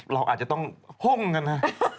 เราอาจจะต้องห้งกันนะ